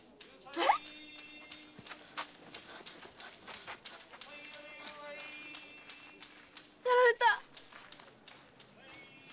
あれっ⁉やられた！